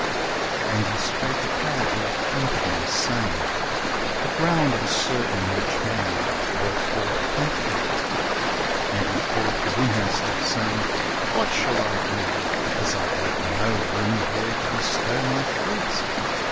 "And He spake a parable unto them, saying, The ground of a certain rich man brought forth plentifully; and he thought within himself, saying. What shall I do, because I have no room where to bestow my fruits?